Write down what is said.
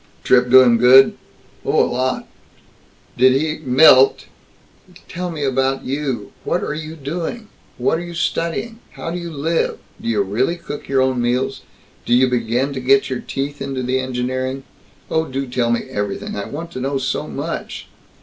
"Trip do him good?" "Oh, a lot." "Did he " "Milt! Tell me about you. What are you doing? What are you studying? How do you live? Do you really cook your own meals? Do you begin to get your teeth into the engineering? Oh, do tell me everything. I want to know, so much!"